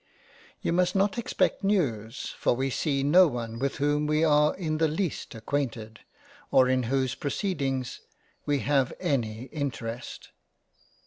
You must not expect news for we see no one with whom we are in the least acquainted, or in whose proceedings we have any Interest.